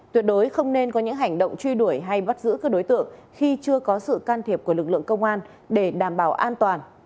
tuyệt đối không nên có những hành động truy đuổi hay bắt giữ các đối tượng khi chưa có sự can thiệp của lực lượng công an để đảm bảo an toàn